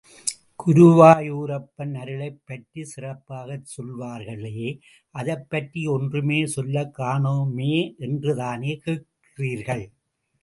குருவாயூரப்பன் அருளைப் பற்றி சிறப்பாகச் சொல்வார்களே, அதைப்பற்றி ஒன்றுமே சொல்லக் காணோமே என்றுதானே கேட்கிறீர்கள்.